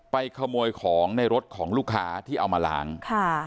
ขโมยของในรถของลูกค้าที่เอามาล้างค่ะ